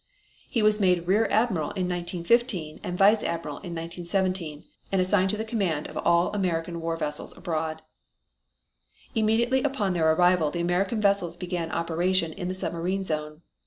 He was made Rear Admiral in 1916 and Vice Admiral in 1917 and assigned to the command of all American war vessels abroad. Immediately upon their arrival the American vessels began operation in the submarine zone.